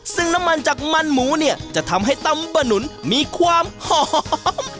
ซึ่งน้ำมันจากมันหมูเนี่ยจะทำให้ตำบะหนุนมีความหอม